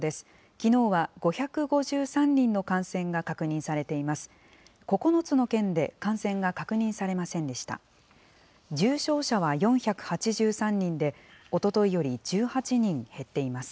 きのうは５５３人の感染が確認されています。